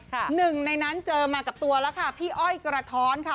หนึ่งในนั้นเจอมากับตัวแล้วค่ะพี่อ้อยกระท้อนค่ะ